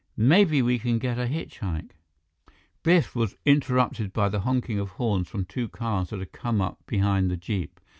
"Maybe we can get a hitchhike " Biff was interrupted by the honking of horns from two cars that had come up behind the jeep.